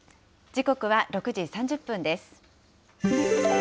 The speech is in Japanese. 時刻は６時３０分です。